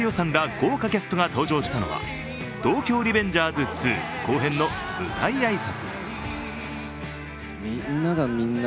豪華キャストが登場したのは「東京リベンジャーズ２」後編の舞台挨拶。